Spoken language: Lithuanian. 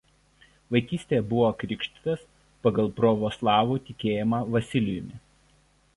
Vaikystėje buvo krikštytas pagal provoslavų tikėjimą Vasilijumi.